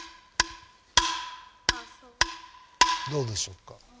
どうでしょうか？